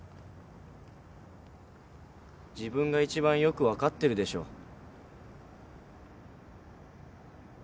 自分が一番よく分かってるでしょ。